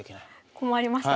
困りましたね。